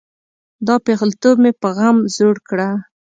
دا پیغلتوب مې په غم زوړ کړه.